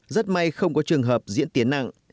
rất may không có trường hợp diễn tiến nặng